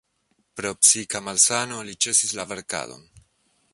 Pro psika malsano li ĉesis la verkadon.